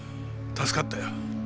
助かったよ。